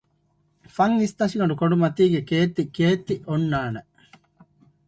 ފަން އިސްތަށިގަނޑު ކޮނޑުމަތީ ކޭއްތި ކޭއްތި އޮންނާނެ